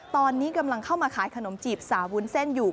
ตอนนี้กำลังเข้ามาขายขนมจีบสาววุ้นเส้นอยู่